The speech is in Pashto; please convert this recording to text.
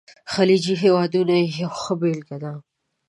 خلیجي هیوادونه یې یوه ښه بېلګه ده.